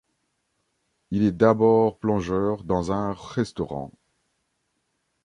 Il est d'abord plongeur dans un restaurant.